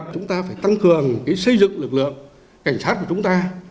chúng ta phải tăng cường xây dựng lực lượng cảnh sát của chúng ta